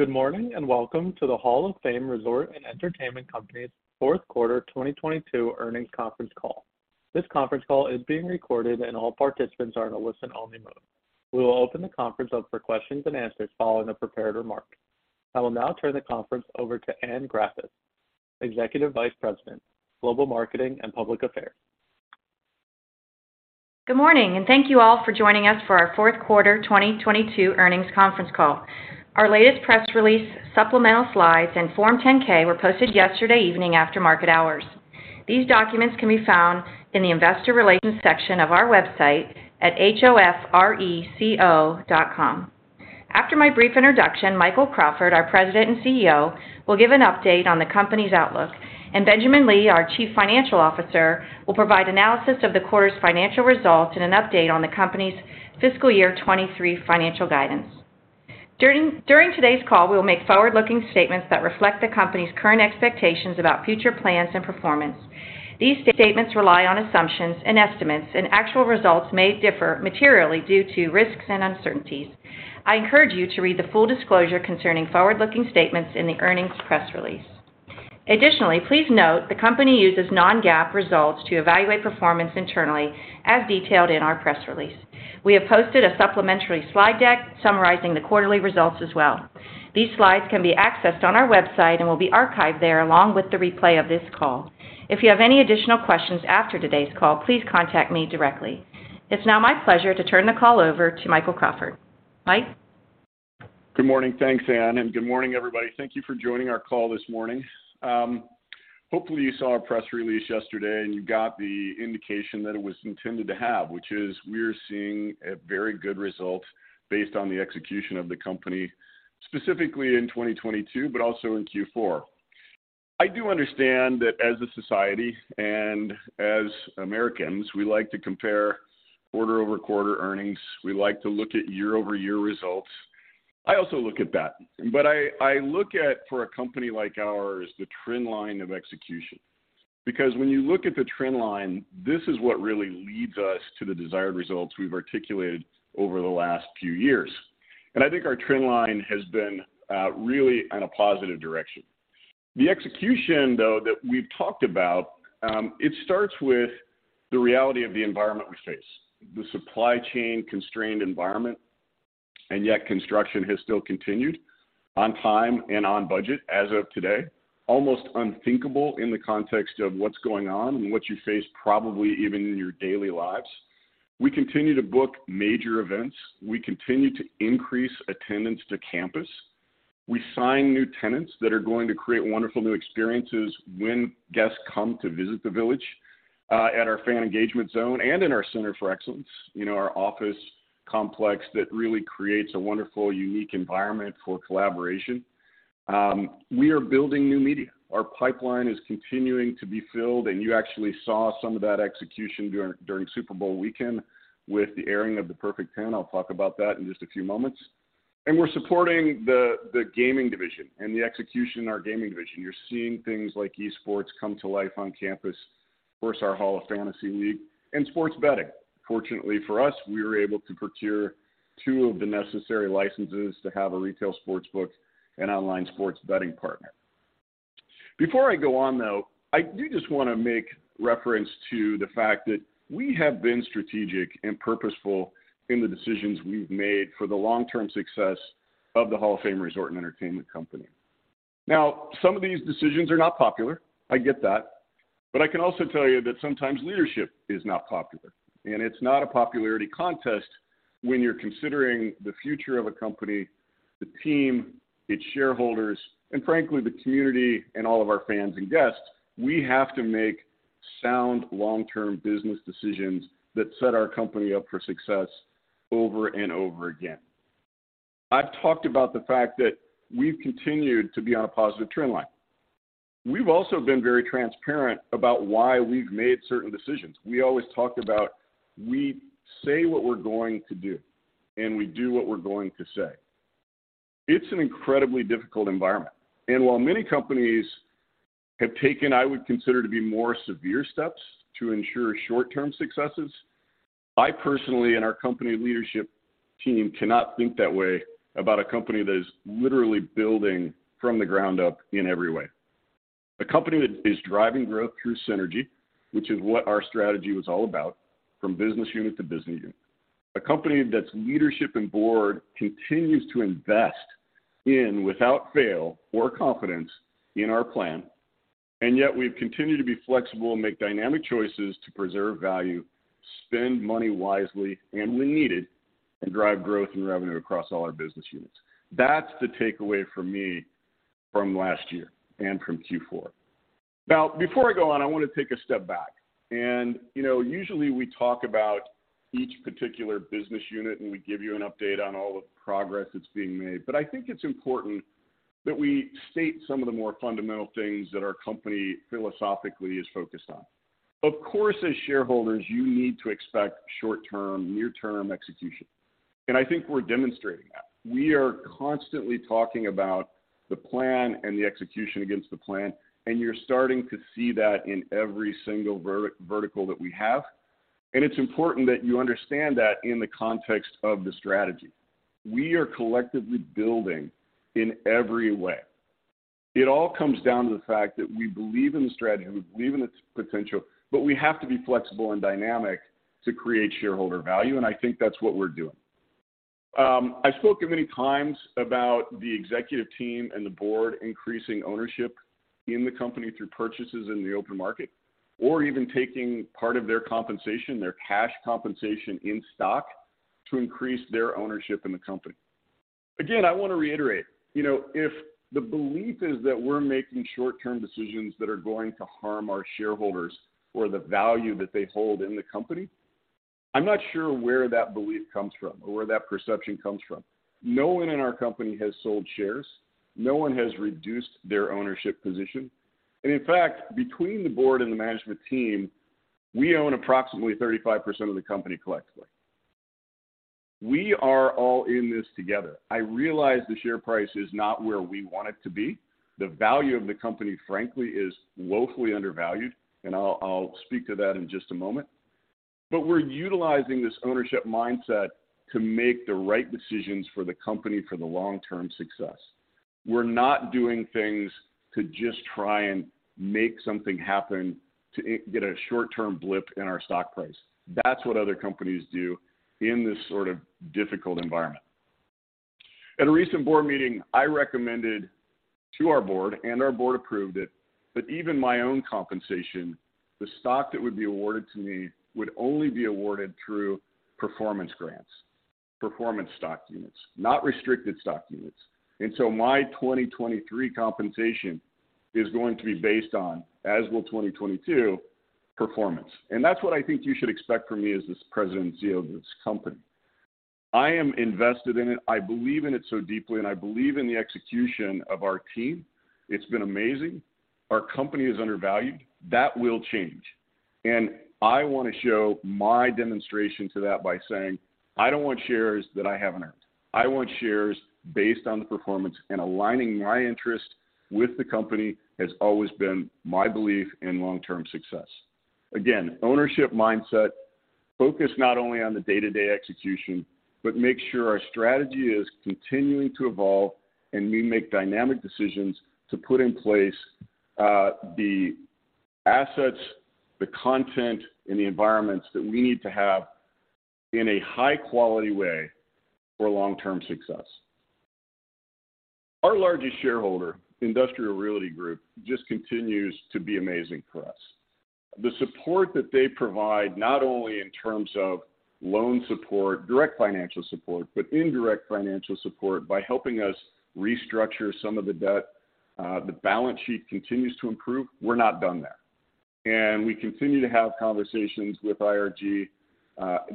Good morning, and welcome to the Hall of Fame Resort & Entertainment Company's Fourth Quarter 2022 Earnings Conference Call. This conference call is being recorded and all participants are in a listen-only mode. We will open the conference up for questions and answers following the prepared remarks. I will now turn the conference over to Anne Graffice, Executive Vice President, Global Marketing and Public Affairs. Good morning, and thank you all for joining us for our fourth quarter 2022 earnings conference call. Our latest press release, supplemental slides, and Form 10-K were posted yesterday evening after market hours. These documents can be found in the investor relations section of our website at hofreco.com. After my brief introduction, Michael Crawford, our President and CEO, will give an update on the company's outlook, and Benjamin Lee, our Chief Financial Officer, will provide analysis of the quarter's financial results and an update on the company's fiscal year 2023 financial guidance. During today's call, we'll make forward-looking statements that reflect the company's current expectations about future plans and performance. These statements rely on assumptions and estimates, and actual results may differ materially due to risks and uncertainties. I encourage you to read the full disclosure concerning forward-looking statements in the earnings press release. Additionally, please note, the company uses non-GAAP results to evaluate performance internally, as detailed in our press release. We have posted a supplementary slide deck summarizing the quarterly results as well. These slides can be accessed on our website and will be archived there along with the replay of this call. If you have any additional questions after today's call, please contact me directly. It's now my pleasure to turn the call over to Michael Crawford. Mike? Good morning. Thanks, Anne Graffice, and good morning, everybody. Thank you for joining our call this morning. Hopefully you saw our press release yesterday, and you got the indication that it was intended to have, which is we're seeing a very good result based on the execution of the company, specifically in 2022, but also in Q4. I do understand that as a society and as Americans, we like to compare quarter-over-quarter earnings. We like to look at year-over-year results. I also look at that. I look at, for a company like ours, the trend line of execution. When you look at the trend line, this is what really leads us to the desired results we've articulated over the last few years. I think our trend line has been really in a positive direction. The execution, though, that we've talked about, it starts with the reality of the environment we face, the supply chain constrained environment, and yet construction has still continued on time and on budget as of today. Almost unthinkable in the context of what's going on and what you face probably even in your daily lives. We continue to book major events. We continue to increase attendance to campus. We sign new tenants that are going to create wonderful new experiences when guests come to visit the village, at our Fan Engagement Zone and in our center for excellence, you know, our office complex that really creates a wonderful, unique environment for collaboration. We are building new media. Our pipeline is continuing to be filled, and you actually saw some of that execution during Super Bowl weekend with the airing of The Perfect 10. I'll talk about that in just a few moments. We're supporting the gaming division and the execution in our gaming division. You're seeing things like e-sports come to life on campus, of course, our Hall of Fantasy League and sports betting. Fortunately for us, we were able to procure two of the necessary licenses to have a retail sportsbook and online sports betting partner. Before I go on, though, I do just wanna make reference to the fact that we have been strategic and purposeful in the decisions we've made for the long-term success of the Hall of Fame Resort & Entertainment Company. Some of these decisions are not popular. I get that. I can also tell you that sometimes leadership is not popular, and it's not a popularity contest. When you're considering the future of a company, the team, its shareholders, and frankly, the community and all of our fans and guests, we have to make sound long-term business decisions that set our company up for success over and over again. I've talked about the fact that we've continued to be on a positive trend line. We've also been very transparent about why we've made certain decisions. We always talked about, we say what we're going to do, and we do what we're going to say. It's an incredibly difficult environment. While many companies have taken, I would consider to be more severe steps to ensure short-term successes, I personally and our company leadership team cannot think that way about a company that is literally building from the ground up in every way. A company that is driving growth through synergy, which is what our strategy was all about from business unit to business unit. A company that's leadership and board continues to invest in without fail or confidence in our plan. Yet we've continued to be flexible and make dynamic choices to preserve value, spend money wisely and when needed, and drive growth and revenue across all our business units. That's the takeaway for me from last year and from Q4. Before I go on, I wanna take a step back. You know, usually we talk about each particular business unit, and we give you an update on all the progress that's being made. I think it's important that we state some of the more fundamental things that our company philosophically is focused on. Of course, as shareholders, you need to expect short-term, near-term execution. I think we're demonstrating that. We are constantly talking about the plan and the execution against the plan, and you're starting to see that in every single vertical that we have. It's important that you understand that in the context of the strategy. We are collectively building in every way. It all comes down to the fact that we believe in the strategy, we believe in its potential, but we have to be flexible and dynamic to create shareholder value, and I think that's what we're doing. I've spoken many times about the executive team and the board increasing ownership in the company through purchases in the open market, or even taking part of their compensation, their cash compensation in stock to increase their ownership in the company. Again, I wanna reiterate, you know, if the belief is that we're making short-term decisions that are going to harm our shareholders or the value that they hold in the company, I'm not sure where that belief comes from or where that perception comes from. No one in our company has sold shares, no one has reduced their ownership position. In fact, between the board and the management team, we own approximately 35% of the company collectively. We are all in this together. I realize the share price is not where we want it to be. The value of the company, frankly, is woefully undervalued. I'll speak to that in just a moment. We're utilizing this ownership mindset to make the right decisions for the company for the long-term success. We're not doing things to just try and make something happen to get a short-term blip in our stock price. That's what other companies do in this sort of difficult environment. At a recent board meeting, I recommended to our board, and our board approved it, that even my own compensation, the stock that would be awarded to me would only be awarded through performance grants, Performance Stock Units, not Restricted Stock Units. My 2023 compensation is going to be based on, as will 2022, performance. That's what I think you should expect from me as this presidency of this company. I am invested in it, I believe in it so deeply, and I believe in the execution of our team. It's been amazing. Our company is undervalued. That will change. I wanna show my demonstration to that by saying, I don't want shares that I haven't earned. I want shares based on the performance, aligning my interest with the company has always been my belief in long-term success. Again, ownership mindset, focus not only on the day-to-day execution, but make sure our strategy is continuing to evolve and we make dynamic decisions to put in place, the assets, the content, and the environments that we need to have in a high quality way for long-term success. Our largest shareholder, Industrial Realty Group, just continues to be amazing for us. The support that they provide, not only in terms of loan support, direct financial support, but indirect financial support by helping us restructure some of the debt, the balance sheet continues to improve. We're not done there. We continue to have conversations with IRG.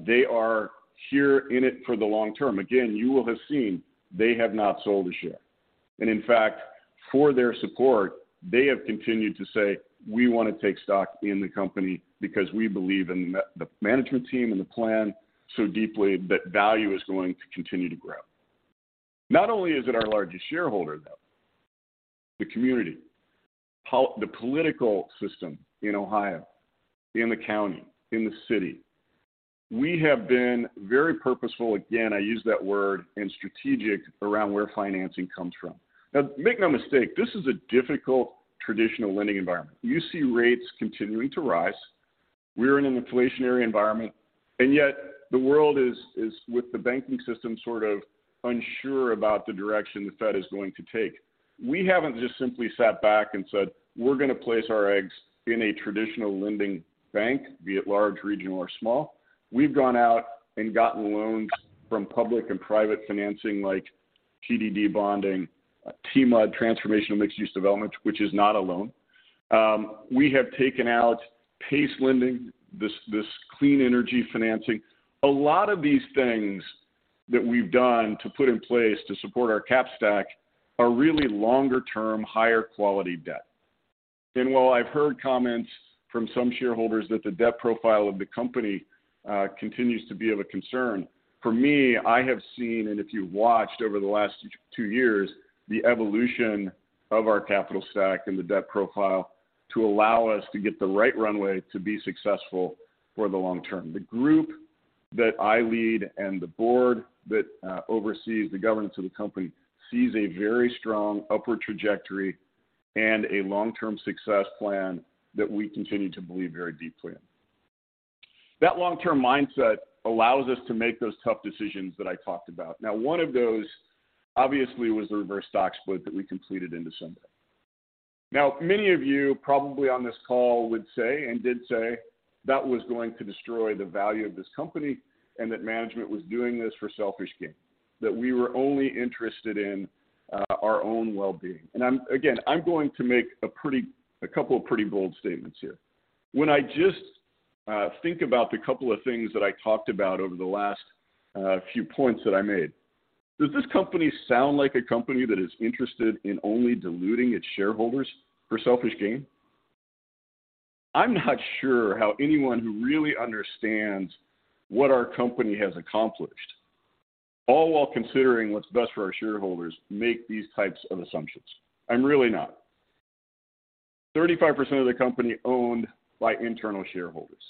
They are here in it for the long term. Again, you will have seen they have not sold a share. In fact, for their support, they have continued to say, "We wanna take stock in the company because we believe in the management team and the plan so deeply that value is going to continue to grow." Not only is it our largest shareholder, though, the community, the political system in Ohio, in the county, in the city, we have been very purposeful, again, I use that word, and strategic around where financing comes from. Make no mistake, this is a difficult traditional lending environment. You see rates continuing to rise. We're in an inflationary environment, yet the world is with the banking system sort of unsure about the direction the Fed is going to take. We haven't just simply sat back and said, "We're gonna place our eggs in a traditional lending bank, be it large, regional or small." We've gone out and gotten loans from public and private financing like TDD bonding, TMUD, Transformational Mixed-Use Development, which is not a loan. We have taken out PACE lending, this clean energy financing. A lot of these things that we've done to put in place to support our cap stack are really longer term, higher quality debt. While I've heard comments from some shareholders that the debt profile of the company continues to be of a concern, for me, I have seen, and if you've watched over the last two years, the evolution of our capital stack and the debt profile to allow us to get the right runway to be successful for the long term. The group that I lead and the board that oversees the governance of the company sees a very strong upward trajectory and a long-term success plan that we continue to believe very deeply in. That long-term mindset allows us to make those tough decisions that I talked about. One of those obviously was the reverse stock split that we completed in December. Many of you probably on this call would say and did say that was going to destroy the value of this company and that management was doing this for selfish gain, that we were only interested in our own well-being. Again, I'm going to make a couple of pretty bold statements here. When I just think about the couple of things that I talked about over the last few points that I made, does this company sound like a company that is interested in only diluting its shareholders for selfish gain? I'm not sure how anyone who really understands what our company has accomplished, all while considering what's best for our shareholders, make these types of assumptions. I'm really not. 35% of the company owned by internal shareholders.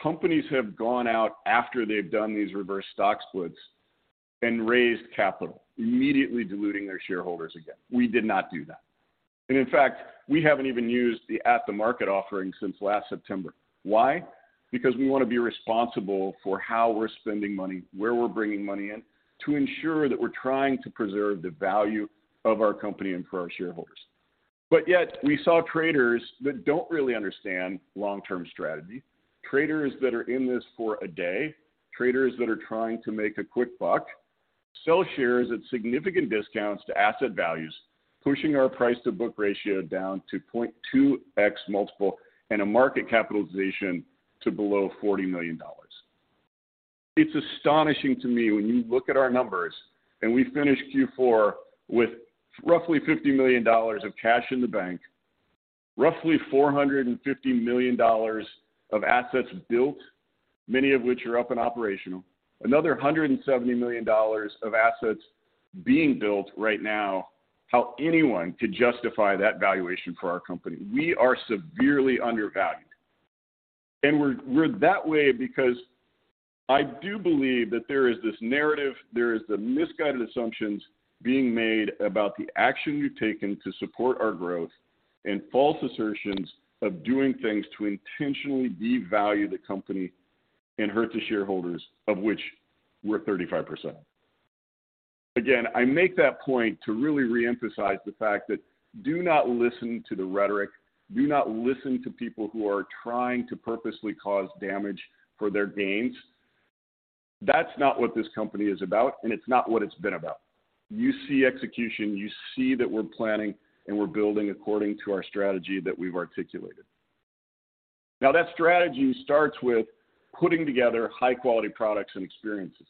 Companies have gone out after they've done these reverse stock splits and raised capital, immediately diluting their shareholders again. We did not do that. In fact, we haven't even used the at-the-market offering since last September. Why? Because we want to be responsible for how we're spending money, where we're bringing money in to ensure that we're trying to preserve the value of our company and for our shareholders. Yet we saw traders that don't really understand long-term strategy, traders that are in this for a day, traders that are trying to make a quick buck, sell shares at significant discounts to asset values, pushing our price-to-book ratio down to 0.2x multiple and a market capitalization to below $40 million. It's astonishing to me when you look at our numbers and we finish Q4 with roughly $50 million of cash in the bank, roughly $450 million of assets built, many of which are up and operational, another $170 million of assets being built right now, how anyone could justify that valuation for our company. We are severely undervalued. We're that way because I do believe that there is this narrative, there is the misguided assumptions being made about the action we've taken to support our growth and false assertions of doing things to intentionally devalue the company and hurt the shareholders, of which we're 35%. Again, I make that point to really reemphasize the fact that do not listen to the rhetoric, do not listen to people who are trying to purposely cause damage for their gains. That's not what this company is about, and it's not what it's been about. You see execution, you see that we're planning, and we're building according to our strategy that we've articulated. Now, that strategy starts with putting together high-quality products and experiences,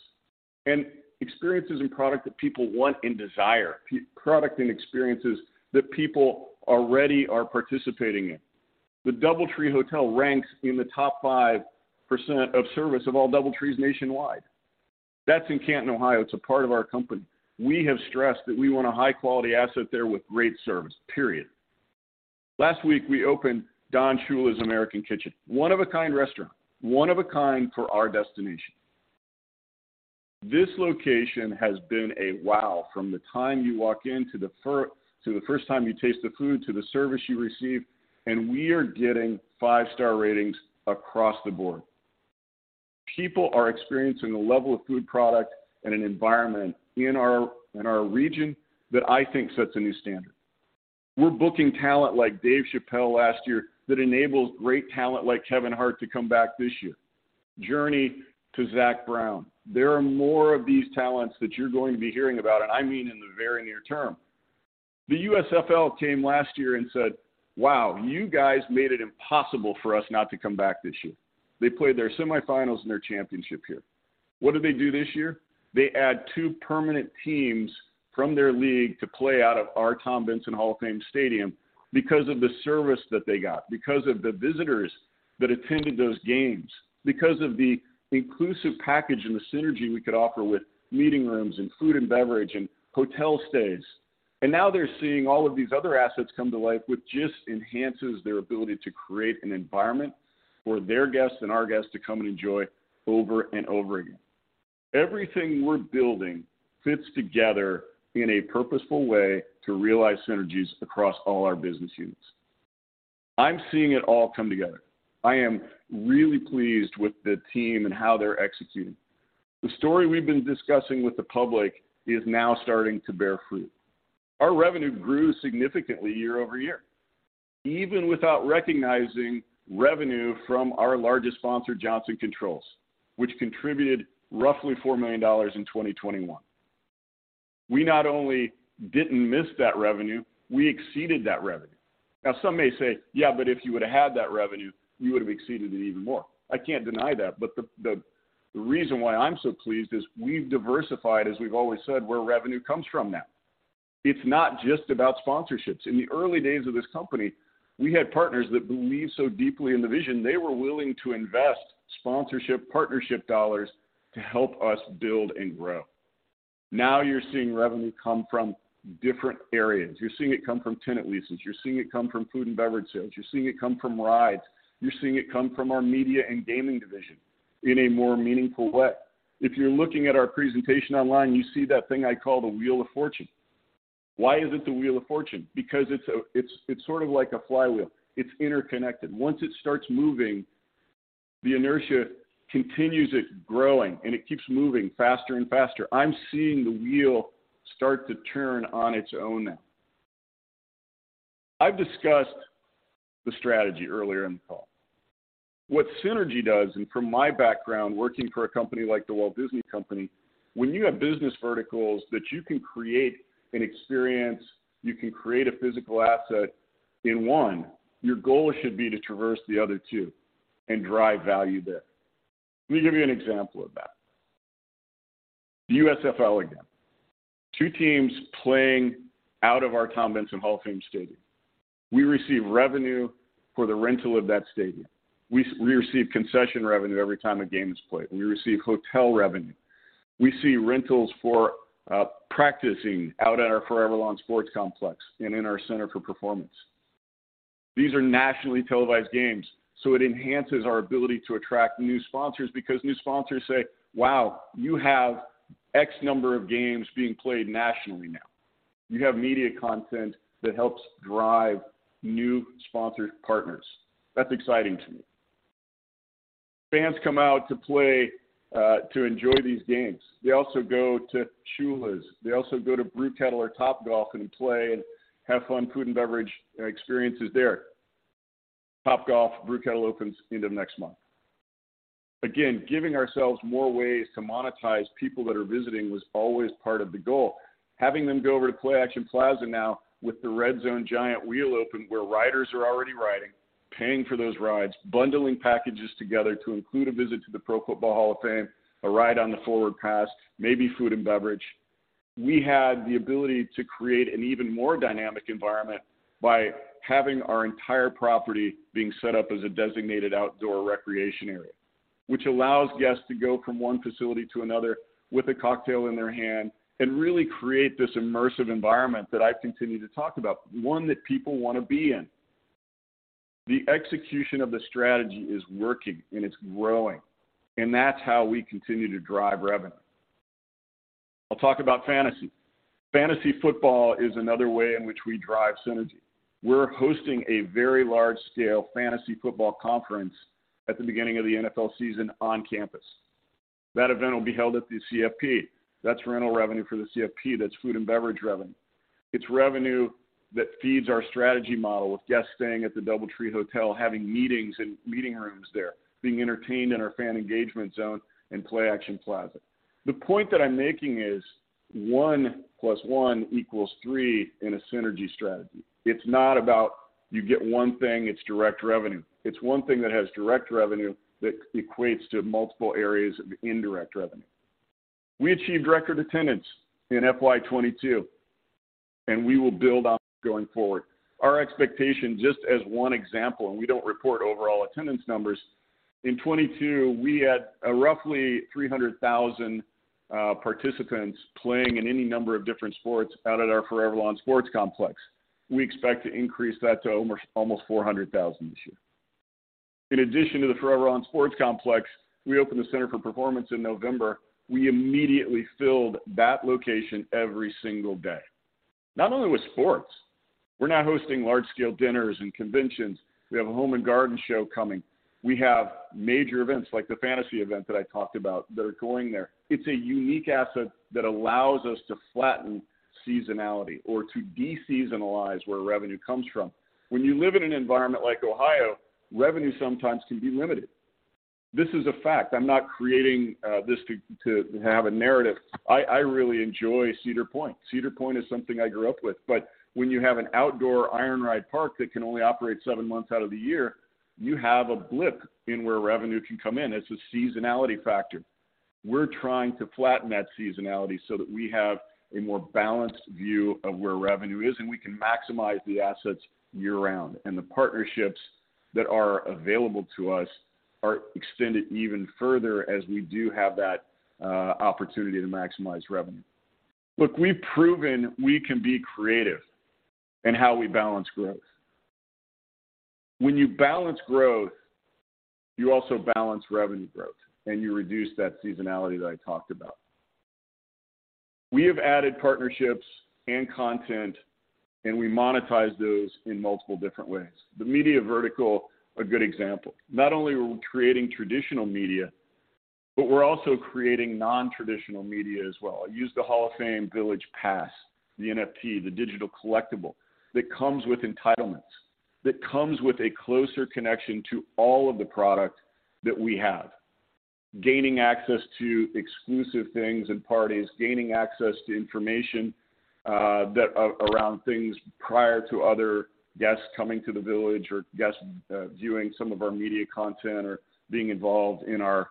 and experiences and product that people want and desire. Product and experiences that people already are participating in. The DoubleTree Hotel ranks in the top 5% of service of all DoubleTrees nationwide. That's in Canton, Ohio. It's a part of our company. We have stressed that we want a high-quality asset there with great service, period. Last week, we opened Don Shula's American Kitchen, one of a kind restaurant, one of a kind for our destination. This location has been a wow from the time you walk in, to the first time you taste the food, to the service you receive, and we are getting 5-star ratings across the board. People are experiencing a level of food product and an environment in our region that I think sets a new standard. We're booking talent like Dave Chappelle last year that enables great talent like Kevin Hart to come back this year. Journey to Zac Brown. There are more of these talents that you're going to be hearing about, and I mean in the very near term. The USFL came last year and said, "Wow, you guys made it impossible for us not to come back this year." They played their semifinals and their championship here. What did they do this year? They add two permanent teams from their league to play out of our Tom Benson Hall of Fame Stadium because of the service that they got, because of the visitors that attended those games, because of the inclusive package and the synergy we could offer with meeting rooms and food and beverage and hotel stays. Now they're seeing all of these other assets come to life, which just enhances their ability to create an environment for their guests and our guests to come and enjoy over and over again. Everything we're building fits together in a purposeful way to realize synergies across all our business units. I'm seeing it all come together. I am really pleased with the team and how they're executing. The story we've been discussing with the public is now starting to bear fruit. Our revenue grew significantly year-over-year, even without recognizing revenue from our largest sponsor, Johnson Controls, which contributed roughly $4 million in 2021. We not only didn't miss that revenue, we exceeded that revenue. Now, some may say, "Yeah, but if you would've had that revenue, you would've exceeded it even more." I can't deny that, but the reason why I'm so pleased is we've diversified, as we've always said, where revenue comes from now. It's not just about sponsorships. In the early days of this company, we had partners that believed so deeply in the vision, they were willing to invest sponsorship, partnership dollars to help us build and grow. Now you're seeing revenue come from different areas. You're seeing it come from tenant leases. You're seeing it come from food and beverage sales. You're seeing it come from rides. You're seeing it come from our media and gaming division in a more meaningful way. If you're looking at our presentation online, you see that thing I call the wheel of fortune. Why is it the wheel of fortune? Because it's sort of like a flywheel. It's interconnected. Once it starts moving, the inertia continues it growing, and it keeps moving faster and faster. I'm seeing the wheel start to turn on its own now. I've discussed the strategy earlier in the call. What synergy does, from my background working for a company like The Walt Disney Company, when you have business verticals that you can create an experience, you can create a physical asset in one, your goal should be to traverse the other two and drive value there. Let me give you an example of that. The USFL again. Two teams playing out of our Tom Benson Hall of Fame Stadium. We receive revenue for the rental of that stadium. We receive concession revenue every time a game is played. We receive hotel revenue. We see rentals for practicing out at our ForeverLawn Sports Complex and in our Center for Performance. These are nationally televised games. It enhances our ability to attract new sponsors because new sponsors say, "Wow, you have X number of games being played nationally now." You have media content that helps drive new sponsor partners. That's exciting to me. Fans come out to play to enjoy these games. They also go to Shula's. They also go to Brew Kettle or Topgolf and play and have fun food and beverage experiences there. Topgolf, Brew Kettle opens end of next month. Again, giving ourselves more ways to monetize people that are visiting was always part of the goal. Having them go over to Play-Action Plaza now with the Red Zone Giant Wheel open where riders are already riding, paying for those rides, bundling packages together to include a visit to the Pro Football Hall of Fame, a ride on the Forward Pass, maybe food and beverage. We had the ability to create an even more dynamic environment by having our entire property being set up as a Designated Outdoor Refreshment Area, which allows guests to go from one facility to another with a cocktail in their hand and really create this immersive environment that I continue to talk about, one that people wanna be in. The execution of the strategy is working and it's growing. That's how we continue to drive revenue. I'll talk about fantasy. Fantasy football is another way in which we drive synergy. We're hosting a very large scale fantasy football conference at the beginning of the NFL season on campus. That event will be held at the CFP. That's rental revenue for the CFP. That's food and beverage revenue. It's revenue that feeds our strategy model of guests staying at the DoubleTree Hotel, having meetings in meeting rooms there, being entertained in our Fan Engagement Zone and Play-Action Plaza. The point that I'm making is one plus one equals three in a synergy strategy. It's not about you get one thing, it's direct revenue. It's one thing that has direct revenue that equates to multiple areas of indirect revenue. We achieved record attendance in FY 2022, and we will build on it going forward. Our expectation, just as one example, and we don't report overall attendance numbers, in 2022, we had roughly 300,000 participants playing in any number of different sports out at our ForeverLawn Sports Complex. We expect to increase that to almost 400,000 this year. In addition to the ForeverLawn Sports Complex, we opened the Center for Performance in November. We immediately filled that location every single day. Not only with sports. We're now hosting large-scale dinners and conventions. We have a home and garden show coming. We have major events like the fantasy event that I talked about that are going there. It's a unique asset that allows us to flatten seasonality or to de-seasonalize where revenue comes from. When you live in an environment like Ohio, revenue sometimes can be limited. This is a fact. I'm not creating this to have a narrative. I really enjoy Cedar Point. Cedar Point is something I grew up with. When you have an outdoor iron ride park that can only operate seven months out of the year, you have a blip in where revenue can come in. It's a seasonality factor. We're trying to flatten that seasonality so that we have a more balanced view of where revenue is. We can maximize the assets year-round. The partnerships that are available to us are extended even further as we do have that opportunity to maximize revenue. Look, we've proven we can be creative in how we balance growth. When you balance growth, you also balance revenue growth. You reduce that seasonality that I talked about. We have added partnerships and content. We monetize those in multiple different ways. The media vertical, a good example. Not only are we creating traditional media, we're also creating non-traditional media as well. Use the Hall of Fame Village Pass, the NFT, the digital collectible that comes with entitlements, that comes with a closer connection to all of the product that we have. Gaining access to exclusive things and parties, gaining access to information, around things prior to other guests coming to the village or guests, viewing some of our media content or being involved in our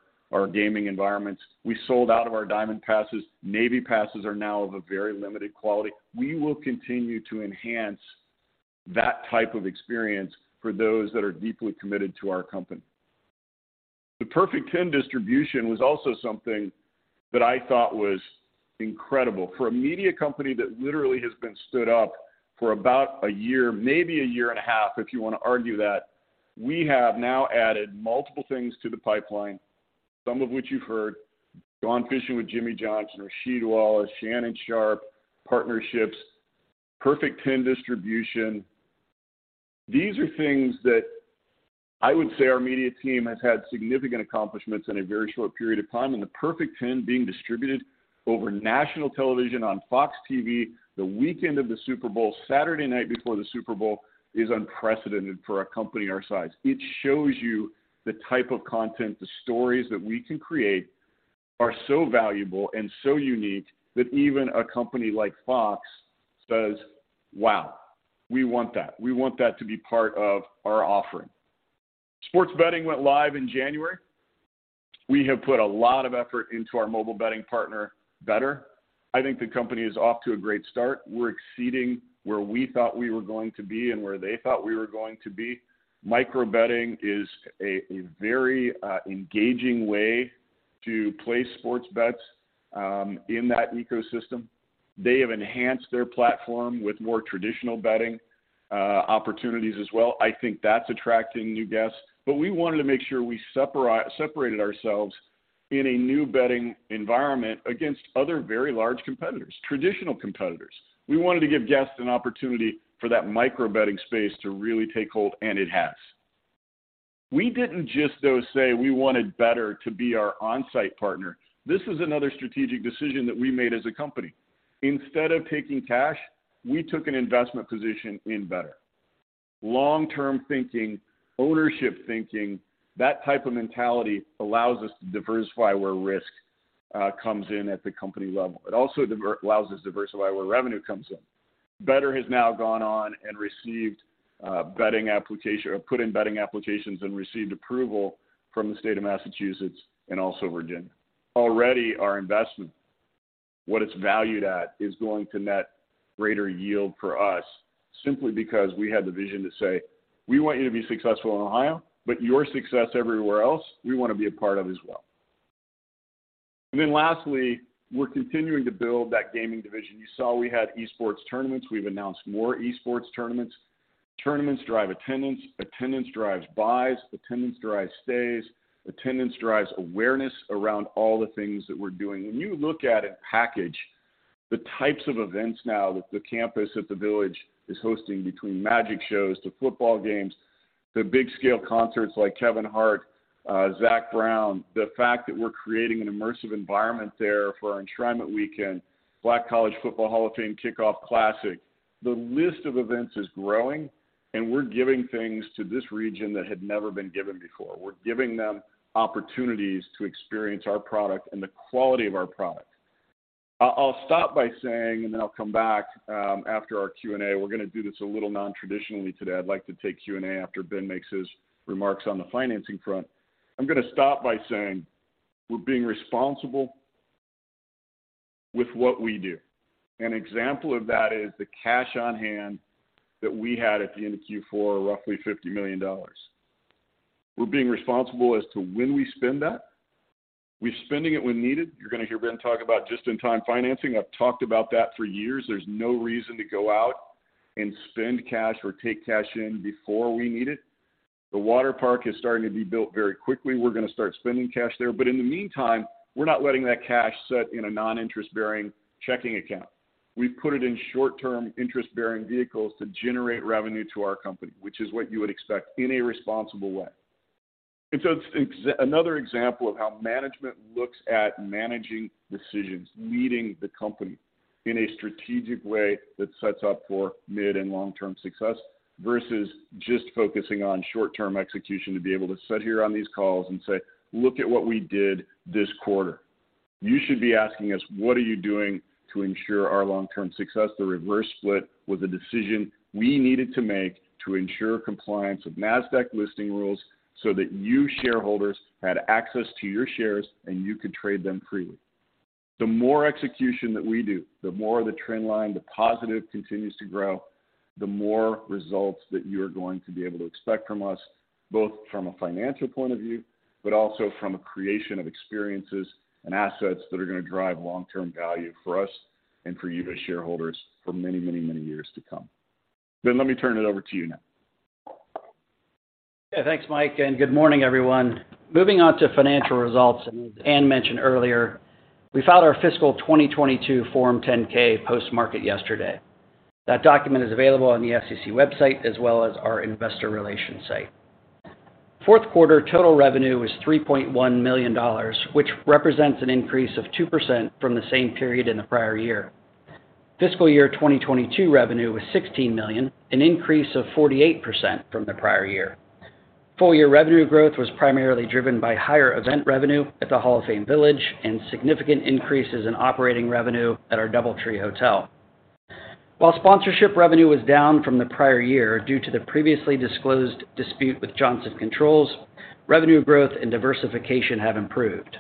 gaming environments. We sold out of our Diamond Passes. Navy Passes are now of a very limited quality. We will continue to enhance that type of experience for those that are deeply committed to our company. Perfect Ten distribution was also something that I thought was incredible. For a media company that literally has been stood up for about one year, maybe one year and a half, if you wanna argue that, we have now added multiple things to the pipeline, some of which you've heard. Gone Fishing with Jimmy Johnson, Rasheed Wallace, Shannon Sharpe, partnerships, Perfect Ten distribution. These are things that I would say our media team has had significant accomplishments in a very short period of time, and The Perfect Ten being distributed over national television on Fox TV the weekend of the Super Bowl, Saturday night before the Super Bowl, is unprecedented for a company our size. It shows you the type of content, the stories that we can create are so valuable and so unique that even a company like Fox says, "Wow, we want that. We want that to be part of our offering." Sports betting went live in January. We have put a lot of effort into our mobile betting partner, Betr. I think the company is off to a great start. We're exceeding where we thought we were going to be and where they thought we were going to be. Micro betting is a very engaging way to place sports bets in that ecosystem. They have enhanced their platform with more traditional betting opportunities as well. I think that's attracting new guests. We wanted to make sure we separated ourselves in a new betting environment against other very large competitors, traditional competitors. We wanted to give guests an opportunity for that micro betting space to really take hold, and it has. We didn't just, though, say we wanted Betr to be our on-site partner. This is another strategic decision that we made as a company. Instead of taking cash, we took an investment position in Betr. Long-term thinking, ownership thinking, that type of mentality allows us to diversify where risk comes in at the company level. It also allows us diversify where revenue comes in. Betr has now gone on and received put in betting applications and received approval from the state of Massachusetts and also Virginia. Already our investment, what it's valued at, is going to net greater yield for us simply because we had the vision to say, "We want you to be successful in Ohio, but your success everywhere else we wanna be a part of as well." Lastly, we're continuing to build that gaming division. You saw we had e-sports tournaments. We've announced more e-sports tournaments. Tournaments drive attendance. Attendance drives buys. Attendance drives stays. Attendance drives awareness around all the things that we're doing. When you look at and package the types of events now that the campus at the Village is hosting between magic shows to football games, the big scale concerts like Kevin Hart, Zac Brown, the fact that we're creating an immersive environment there for our enshrinement weekend, Black College Football Hall of Fame Classic, the list of events is growing. We're giving things to this region that had never been given before. We're giving them opportunities to experience our product and the quality of our product. I'll stop by saying, and then I'll come back after our Q&A. We're gonna do this a little non-traditionally today. I'd like to take Q&A after Ben makes his remarks on the financing front. I'm gonna stop by saying we're being responsible with what we do. An example of that is the cash on hand that we had at the end of Q4, roughly $50 million. We're being responsible as to when we spend that. We're spending it when needed. You're gonna hear Ben talk about just-in-time financing. I've talked about that for years. There's no reason to go out and spend cash or take cash in before we need it. The water park is starting to be built very quickly. We're gonna start spending cash there. In the meantime, we're not letting that cash sit in a non-interest-bearing checking account. We've put it in short-term interest-bearing vehicles to generate revenue to our company, which is what you would expect in a responsible way. It's another example of how management looks at managing decisions, leading the company in a strategic way that sets up for mid and long-term success versus just focusing on short-term execution to be able to sit here on these calls and say, "Look at what we did this quarter." You should be asking us, "What are you doing to ensure our long-term success?" The reverse split was a decision we needed to make to ensure compliance with Nasdaq listing rules so that you shareholders had access to your shares and you could trade them freely. The more execution that we do, the more the trend line, the positive continues to grow, the more results that you are going to be able to expect from us, both from a financial point of view, but also from a creation of experiences and assets that are going to drive long-term value for us and for you as shareholders for many, many, many years to come. Ben, let me turn it over to you now. Thanks, Michael, good morning, everyone. Moving on to financial results, Anne Graffice mentioned earlier, we filed our fiscal 2022 Form 10-K post-market yesterday. That document is available on the SEC website as well as our investor relations site. fourth quarter total revenue was $3.1 million, which represents an increase of 2% from the same period in the prior year. Fiscal year 2022 revenue was $16 million, an increase of 48% from the prior year. Full-year revenue growth was primarily driven by higher event revenue at the Hall of Fame Village and significant increases in operating revenue at our DoubleTree Hotel. While sponsorship revenue was down from the prior year due to the previously disclosed dispute with Johnson Controls, revenue growth and diversification have improved.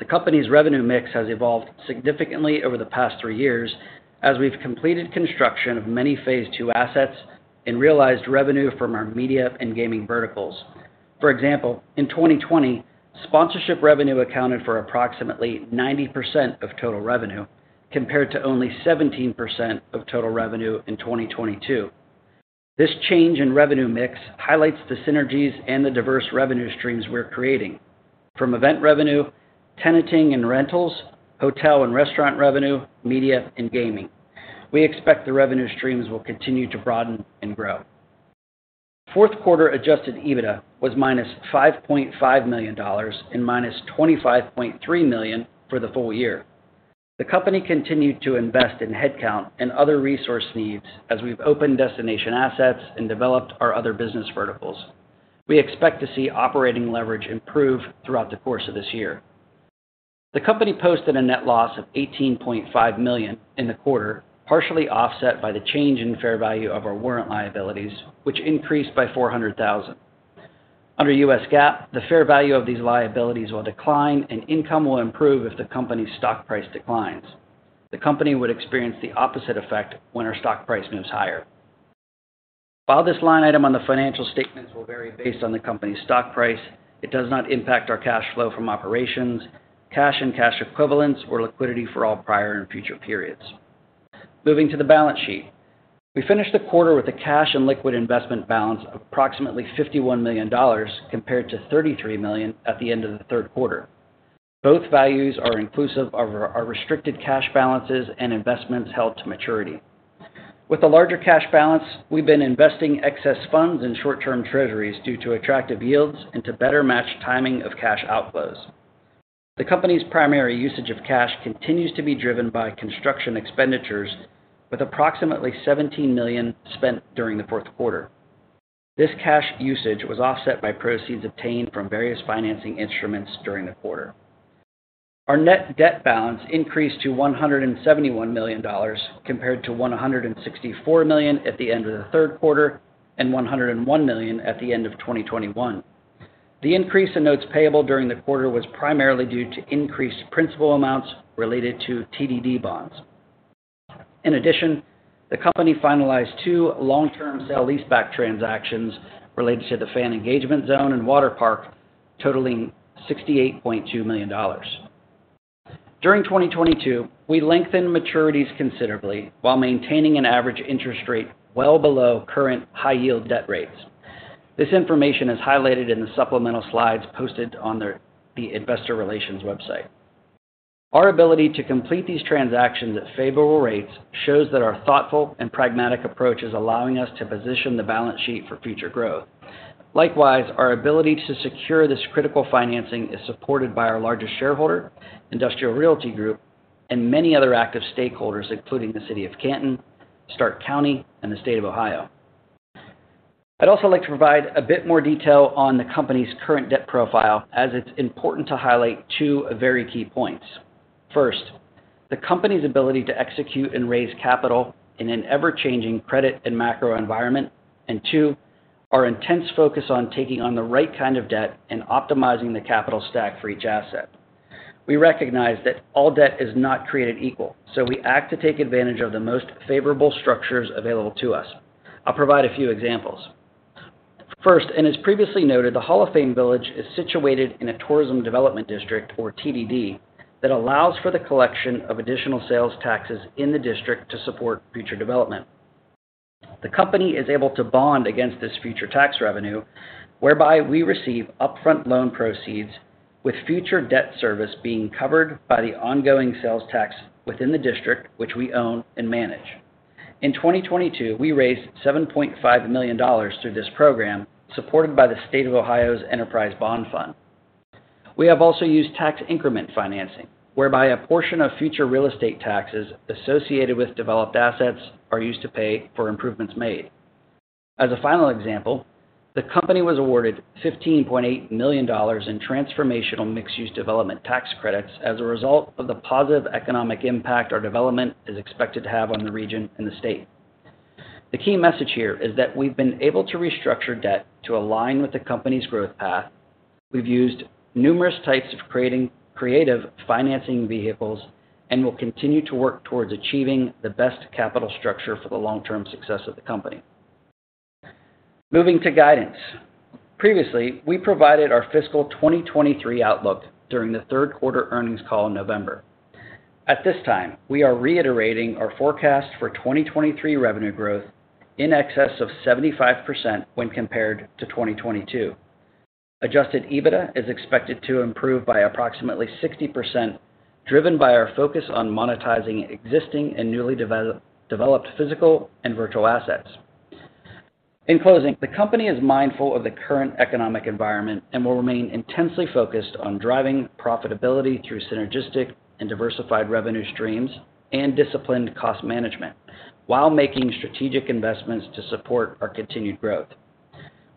The company's revenue mix has evolved significantly over the past three years as we've completed construction of many phase two assets and realized revenue from our media and gaming verticals. For example, in 2020, sponsorship revenue accounted for approximately 90% of total revenue, compared to only 17% of total revenue in 2022. This change in revenue mix highlights the synergies and the diverse revenue streams we're creating from event revenue, tenanting and rentals, hotel and restaurant revenue, media and gaming. We expect the revenue streams will continue to broaden and grow. Fourth quarter Adjusted EBITDA was -$5.5 million and -$25.3 million for the full-year. The company continued to invest in headcount and other resource needs as we've opened destination assets and developed our other business verticals. We expect to see operating leverage improve throughout the course of this year. The company posted a net loss of $18.5 million in the quarter, partially offset by the change in fair value of our warrant liabilities, which increased by $400,000. Under U.S. GAAP, the fair value of these liabilities will decline and income will improve if the company's stock price declines. The company would experience the opposite effect when our stock price moves higher. While this line item on the financial statements will vary based on the company's stock price, it does not impact our cash flow from operations, cash and cash equivalents, or liquidity for all prior and future periods. Moving to the balance sheet. We finished the quarter with a cash and liquid investment balance of approximately $51 million compared to $33 million at the end of the third quarter. Both values are inclusive of our restricted cash balances and investments held to maturity. With a larger cash balance, we've been investing excess funds in short-term treasuries due to attractive yields and to better match timing of cash outflows. The company's primary usage of cash continues to be driven by construction expenditures with approximately $17 million spent during the fourth quarter. This cash usage was offset by proceeds obtained from various financing instruments during the quarter. Our net debt balance increased to $171 million compared to $164 million at the end of the third quarter and $101 million at the end of 2021. The increase in notes payable during the quarter was primarily due to increased principal amounts related to TDD bonds. The company finalized two long-term sale-leaseback transactions related to the Fan Engagement Zone and water park, totaling $68.2 million. During 2022, we lengthened maturities considerably while maintaining an average interest rate well below current high-yield debt rates. This information is highlighted in the supplemental slides posted on the investor relations website. Our ability to complete these transactions at favorable rates shows that our thoughtful and pragmatic approach is allowing us to position the balance sheet for future growth. Our ability to secure this critical financing is supported by our largest shareholder, Industrial Realty Group, and many other active stakeholders, including the City of Canton, Stark County, and the State of Ohio. I'd also like to provide a bit more detail on the company's current debt profile, as it's important to highlight two very key points. The company's ability to execute and raise capital in an ever-changing credit and macro environment, two, our intense focus on taking on the right kind of debt and optimizing the capital stack for each asset. We recognize that all debt is not created equal, we act to take advantage of the most favorable structures available to us. I'll provide a few examples. As previously noted, the Hall of Fame Village is situated in a tourism development district, or TDD, that allows for the collection of additional sales taxes in the district to support future development. The company is able to bond against this future tax revenue, whereby we receive upfront loan proceeds, with future debt service being covered by the ongoing sales tax within the district, which we own and manage. In 2022, we raised $7.5 million through this program, supported by the Ohio Enterprise Bond Fund. We have also used tax increment financing, whereby a portion of future real estate taxes associated with developed assets are used to pay for improvements made. As a final example, the company was awarded $15.8 million in transformational mixed-use development tax credits as a result of the positive economic impact our development is expected to have on the region and the state. The key message here is that we've been able to restructure debt to align with the company's growth path. We've used numerous types of creative financing vehicles and will continue to work towards achieving the best capital structure for the long-term success of the company. Moving to guidance. Previously, we provided our fiscal 2023 outlook during the third quarter earnings call in November. At this time, we are reiterating our forecast for 2023 revenue growth in excess of 75% when compared to 2022. Adjusted EBITDA is expected to improve by approximately 60%, driven by our focus on monetizing existing and newly developed physical and virtual assets. In closing, the company is mindful of the current economic environment and will remain intensely focused on driving profitability through synergistic and diversified revenue streams and disciplined cost management while making strategic investments to support our continued growth.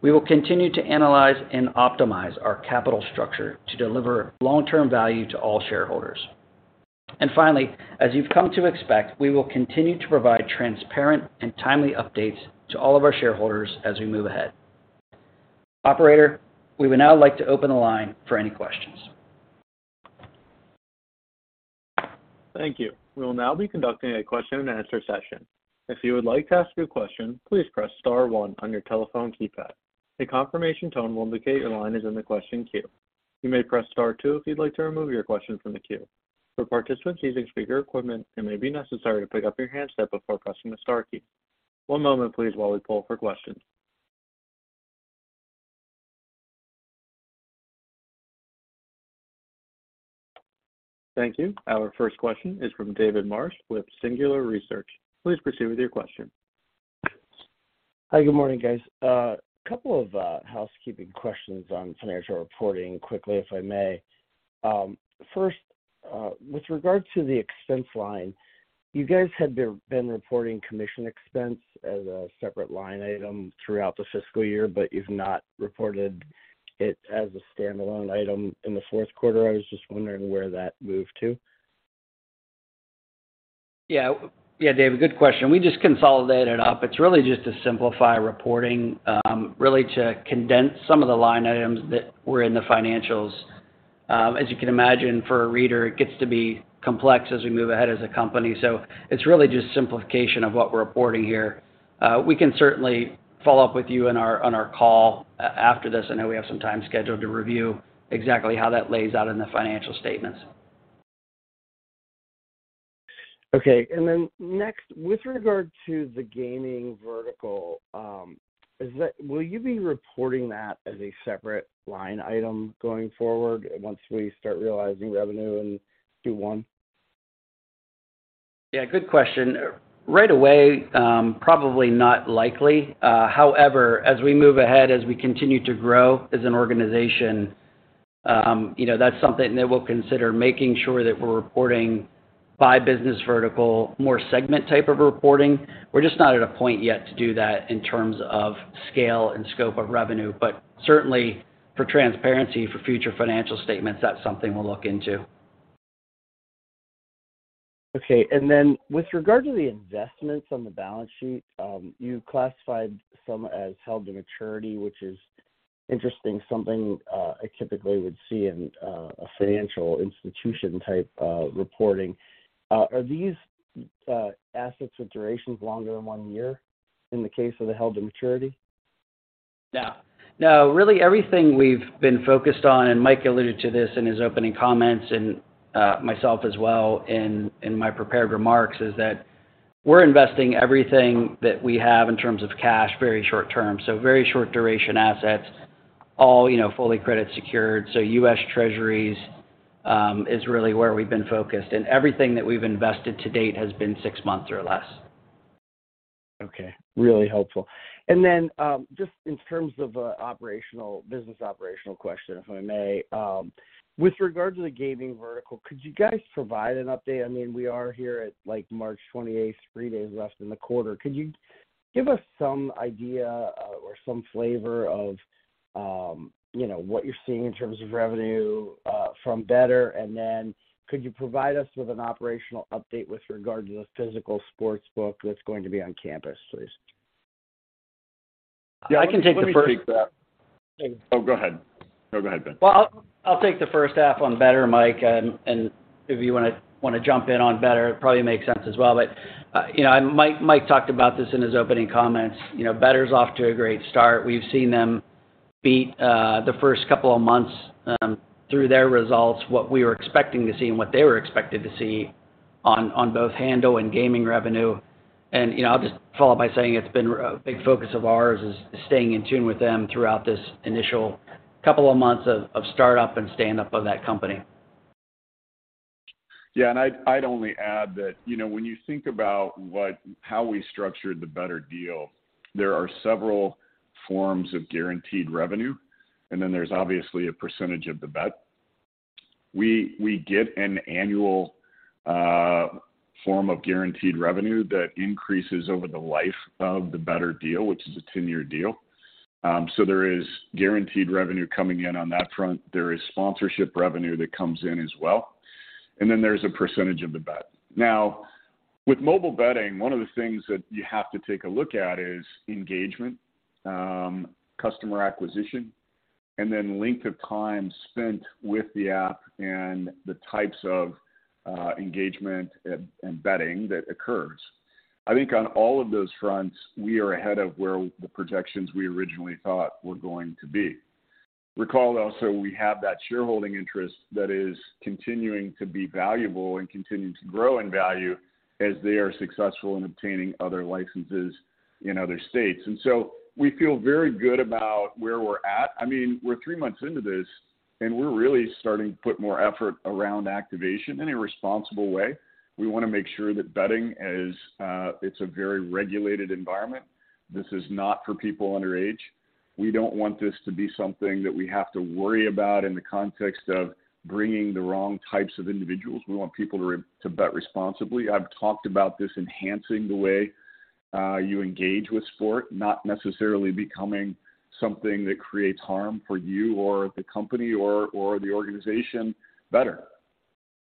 We will continue to analyze and optimize our capital structure to deliver long-term value to all shareholders. Finally, as you've come to expect, we will continue to provide transparent and timely updates to all of our shareholders as we move ahead. Operator, we would now like to open the line for any questions. Thank you. We will now be conducting a question-and-answer session. If you would like to ask a question, please press star one on your telephone keypad. A confirmation tone will indicate your line is in the question queue. You may press star two if you'd like to remove your question from the queue. For participants using speaker equipment, it may be necessary to pick up your handset before pressing the star key. One moment please while we poll for questions. Thank you. Our first question is from David Marsh with Singular Research. Please proceed with your question. Hi. Good morning, guys. A couple of housekeeping questions on financial reporting quickly, if I may. First, with regard to the expense line, you guys had been reporting commission expense as a separate line item throughout the fiscal year, but you've not reported it as a standalone item in the fourth quarter. I was just wondering where that moved to? Yeah, David, good question. We just consolidated up. It's really just to simplify reporting, really to condense some of the line items that were in the financials. As you can imagine, for a reader, it gets to be complex as we move ahead as a company. It's really just simplification of what we're reporting here. We can certainly follow up with you on our, on our call after this. I know we have some time scheduled to review exactly how that lays out in the financial statements. Okay. Next, with regard to the gaming vertical, will you be reporting that as a separate line item going forward once we start realizing revenue and do one? Yeah, good question. Right away, probably not likely. However, as we move ahead, as we continue to grow as an organization, you know, that's something that we'll consider making sure that we're reporting by business vertical, more segment type of reporting. We're just not at a point yet to do that in terms of scale and scope of revenue. Certainly for transparency, for future financial statements, that's something we'll look into. Okay. Then with regard to the investments on the balance sheet, you classified some as held to maturity, which is interesting, something I typically would see in a financial institution type of reporting. Are these assets with durations longer than one year in the case of the held to maturity? No. No, really everything we've been focused on, and Mike alluded to this in his opening comments and myself as well in my prepared remarks, is that we're investing everything that we have in terms of cash very short term. Very short duration assets, all, you know, fully credit secured. U.S. Treasuries is really where we've been focused, and everything that we've invested to date has been six months or less. Okay. Really helpful. Just in terms of business operational question, if I may. With regard to the gaming vertical, could you guys provide an update? I mean, we are here at, like March 28th, three days left in the quarter. Could you give us some idea or some flavor of, you know, what you're seeing in terms of revenue from Betr? Could you provide us with an operational update with regard to the physical sports book that's going to be on campus, please? Yeah, I can take the first. Let me take that—oh, go ahead. No, go ahead, Ben. Well, I'll take the first half on Betr, Mike, and if you wanna jump in on Betr, it probably makes sense as well. You know, Mike talked about this in his opening comments. You know, Betr's off to a great start. We've seen them beat the first couple of months through their results, what we were expecting to see and what they were expected to see on both handle and gaming revenue. You know, I'll just follow up by saying it's been a big focus of ours is staying in tune with them throughout this initial couple of months of startup and stand up of that company. Yeah. I'd only add that, you know, when you think about how we structured the Betr deal, there are several forms of guaranteed revenue, and then there's obviously a percentage of the bet. We get an annual form of guaranteed revenue that increases over the life of the Betr deal, which is a 10-year deal. There is guaranteed revenue coming in on that front. There is sponsorship revenue that comes in as well. Then there's a percentage of the bet. Now, with mobile betting, one of the things that you have to take a look at is engagement, customer acquisition, and then length of time spent with the app and the types of engagement and betting that occurs. I think on all of those fronts, we are ahead of where the projections we originally thought were going to be. Recall also we have that shareholding interest that is continuing to be valuable and continuing to grow in value as they are successful in obtaining other licenses in other states. We feel very good about where we're at. I mean, we're three months into this, and we're really starting to put more effort around activation in a responsible way. We wanna make sure that betting is a very regulated environment. This is not for people underage. We don't want this to be something that we have to worry about in the context of bringing the wrong types of individuals. We want people to bet responsibly. I've talked about this enhancing the way you engage with sport, not necessarily becoming something that creates harm for you or the company or the organization Betr.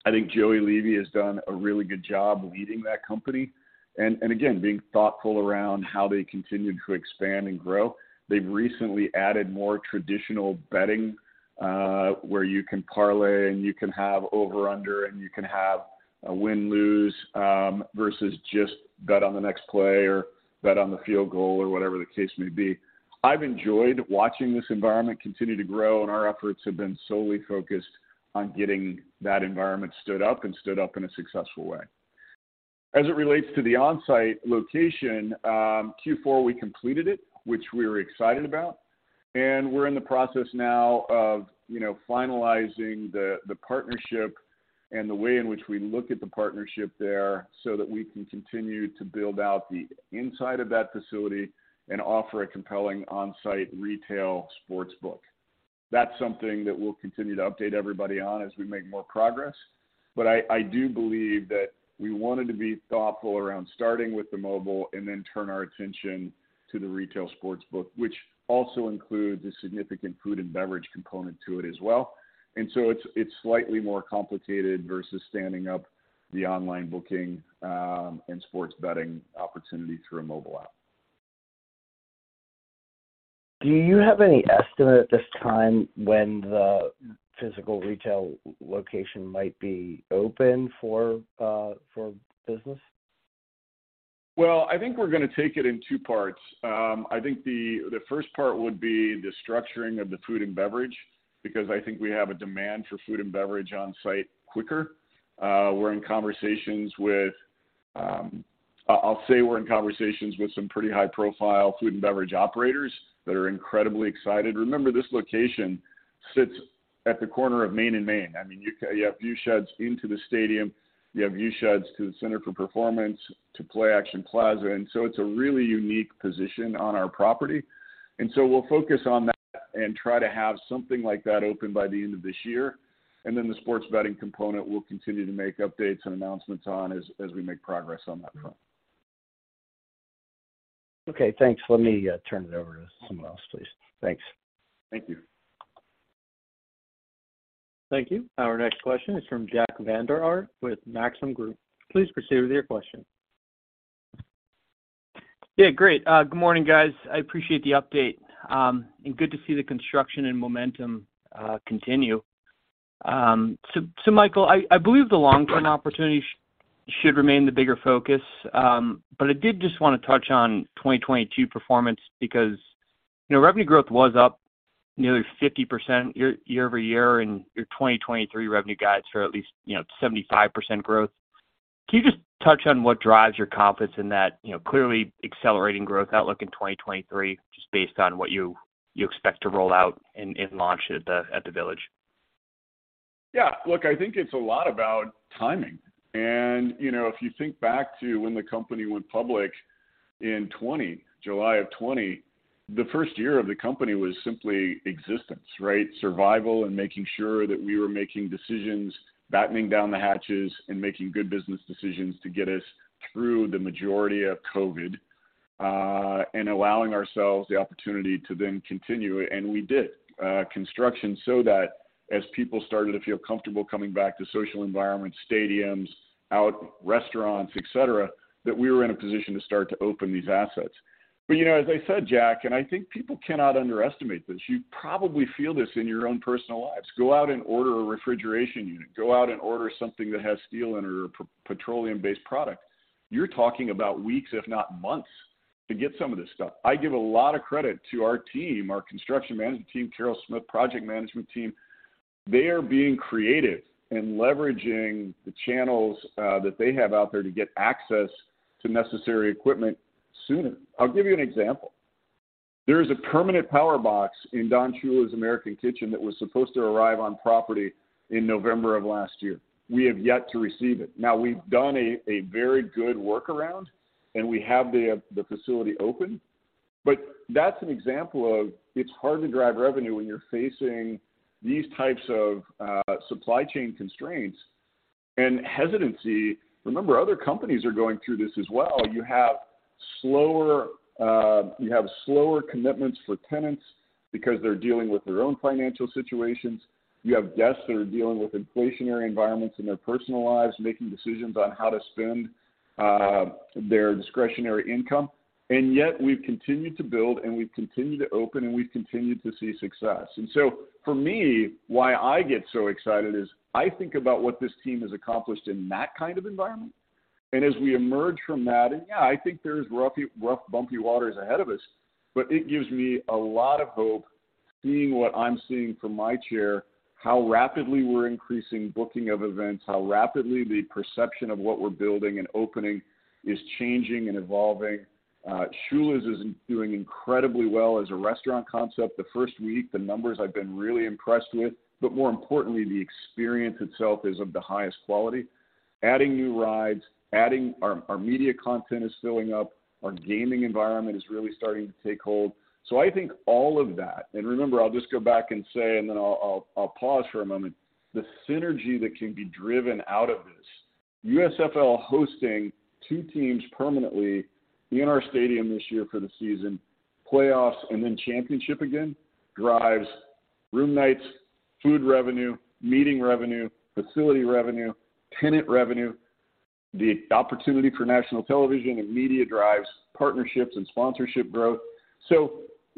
I think Joey Levy has done a really good job leading that company and again, being thoughtful around how they continue to expand and grow. They've recently added more traditional betting, where you can parlay and you can have over/under and you can have a win/lose, versus just bet on the next play or bet on the field goal or whatever the case may be. I've enjoyed watching this environment continue to grow, and our efforts have been solely focused on getting that environment stood up and stood up in a successful way. As it relates to the on-site location, Q4, we completed it, which we're excited about, and we're in the process now of finalizing the partnership and the way in which we look at the partnership there so that we can continue to build out the inside of that facility and offer a compelling on-site retail sportsbook. That's something that we'll continue to update everybody on as we make more progress. I do believe that we wanted to be thoughtful around starting with the mobile and then turn our attention to the retail sportsbook, which also includes a significant food and beverage component to it as well. It's, it's slightly more complicated versus standing up the online booking and sports betting opportunity through a mobile app. Do you have any estimate at this time when the physical retail location might be open for business? Well, I think we're gonna take it in two parts. I think the first part would be the structuring of the food and beverage, because I think we have a demand for food and beverage on site quicker. We're in conversations with, I'll say we're in conversations with some pretty high-profile food and beverage operators that are incredibly excited. Remember, this location sits at the corner of Main and Main. I mean, you have view sheds into the stadium, you have view sheds to the Center for Performance, to Play-Action Plaza. It's a really unique position on our property. We'll focus on that and try to have something like that open by the end of this year. The sports betting component, we'll continue to make updates and announcements on as we make progress on that front. Okay, thanks. Let me, turn it over to someone else, please. Thanks. Thank you. Thank you. Our next question is from Jack Vander Aarde with Maxim Group. Please proceed with your question. Great. Good morning, guys. I appreciate the update. Good to see the construction and momentum continue. Michael, I believe the long-term opportunity should remain the bigger focus, but I did just wanna touch on 2022 performance because, you know, revenue growth was up nearly 50% year-over-year, and your 2023 revenue guides for at least, you know, 75% growth. Can you just touch on what drives your confidence in that, you know, clearly accelerating growth outlook in 2023 just based on what you expect to roll out and launch at the Village? Yeah. Look, I think it's a lot about timing. You know, if you think back to when the company went public in 2020, July of 2020, the first year of the company was simply existence, right? Survival and making sure that we were making decisions, battening down the hatches and making good business decisions to get us through the majority of COVID, and allowing ourselves the opportunity to then continue, and we did, construction so that as people started to feel comfortable coming back to social environments, stadiums, out, restaurants, et cetera, that we were in a position to start to open these assets. You know, as I said, Jack, and I think people cannot underestimate this, you probably feel this in your own personal lives. Go out and order a refrigeration unit. Go out and order something that has steel in or a petroleum-based product. You're talking about weeks, if not months, to get some of this stuff. I give a lot of credit to our team, our construction management team, Carol Smith Project Management team. They are being creative in leveraging the channels that they have out there to get access to necessary equipment sooner. I'll give you an example. There is a permanent power box in Don Shula's American Kitchen that was supposed to arrive on property in November of last year. We have yet to receive it. We've done a very good workaround, and we have the facility open. That's an example of it's hard to drive revenue when you're facing these types of supply chain constraints and hesitancy. Remember, other companies are going through this as well. You have slower, you have slower commitments for tenants because they're dealing with their own financial situations. You have guests that are dealing with inflationary environments in their personal lives, making decisions on how to spend their discretionary income. And yet we've continued to build, and we've continued to open, and we've continued to see success. For me, why I get so excited is I think about what this team has accomplished in that kind of environment. As we emerge from that, and yeah, I think there's rough, bumpy waters ahead of us, but it gives me a lot of hope seeing what I'm seeing from my chair, how rapidly we're increasing booking of events, how rapidly the perception of what we're building and opening is changing and evolving. Shula's is doing incredibly well as a restaurant concept. The first week, the numbers I've been really impressed with, but more importantly, the experience itself is of the highest quality. Adding new rides, Our, our media content is filling up. Our gaming environment is really starting to take hold. I think all of that, and remember, I'll just go back and say, the synergy that can be driven out of this, USFL hosting two teams permanently in our stadium this year for the season, playoffs and then championship again, drives room nights, food revenue, meeting revenue, facility revenue, tenant revenue. The opportunity for national television and media drives partnerships and sponsorship growth.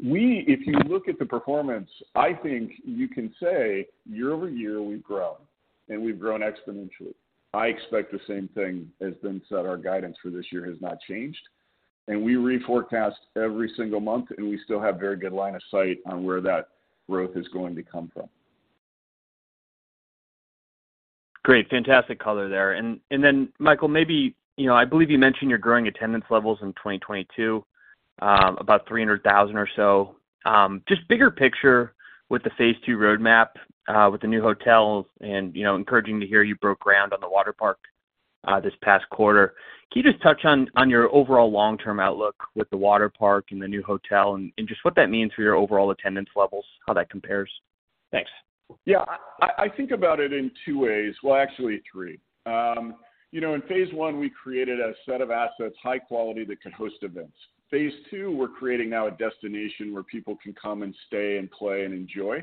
We, if you look at the performance, I think you can say year-over-year, we've grown, and we've grown exponentially. I expect the same thing. As Ben said, our guidance for this year has not changed. We reforecast every single month, and we still have very good line of sight on where that growth is going to come from. Great. Fantastic color there. Then Michael, maybe, you know, I believe you mentioned your growing attendance levels in 2022, about 300,000 or so. Just bigger picture with the phase II roadmap, with the new hotels and, you know, encouraging to hear you broke ground on the water park, this past quarter. Can you just touch on your overall long-term outlook with the water park and the new hotel and just what that means for your overall attendance levels, how that compares? Thanks. Yeah. I think about it in two ways. Well, actually three. You know, in phase one, we created a set of assets, high quality, that could host events. Phase two, we're creating now a destination where people can come and stay and play and enjoy.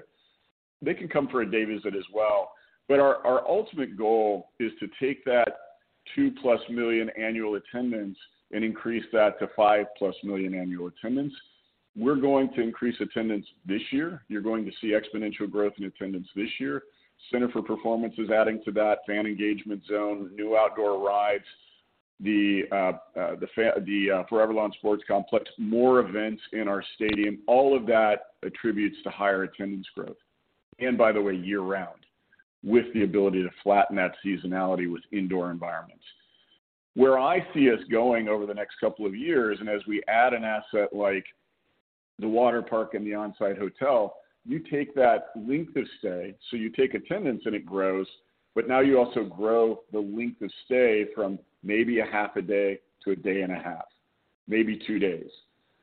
They can come for a day visit as well, our ultimate goal is to take that 2+ million annual attendance and increase that to 5+ million annual attendance. We're going to increase attendance this year. You're going to see exponential growth in attendance this year. Center for Performance is adding to that Fan Engagement Zone, new outdoor rides, the ForeverLawn Sports Complex, more events in our stadium, all of that attributes to higher attendance growth. By the way, year-round, with the ability to flatten that seasonality with indoor environments. Where I see us going over the next couple of years, as we add an asset like the water park and the on-site hotel, you take that length of stay, so you take attendance and it grows, but now you also grow the length of stay from maybe a half a day to a day and a half, maybe two days.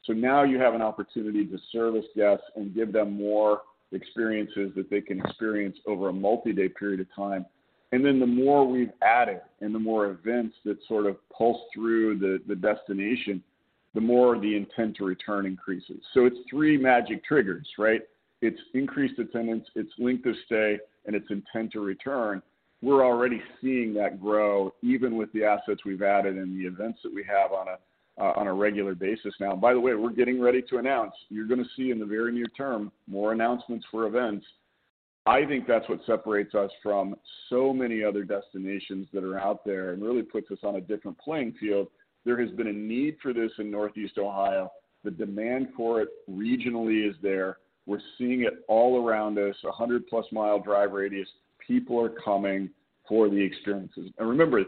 Now you have an opportunity to service guests and give them more experiences that they can experience over a multi-day period of time. Then the more we've added and the more events that sort of pulse through the destination, the more the intent to return increases. It's three magic triggers, right? It's increased attendance, it's length of stay, and it's intent to return. We're already seeing that grow even with the assets we've added and the events that we have on a regular basis now. By the way, we're getting ready to announce. You're gonna see in the very near term more announcements for events. I think that's what separates us from so many other destinations that are out there and really puts us on a different playing field. There has been a need for this in Northeast Ohio. The demand for it regionally is there. We're seeing it all around us, a 100 plus mile drive radius. People are coming for the experiences. Remember,